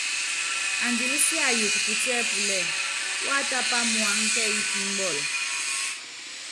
Andilɛ siayukɔ putíɛ́púlɛ, wá tápa muáŋá kɛ́yí kímbɔl.